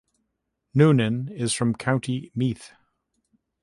Noonan is from County Meath.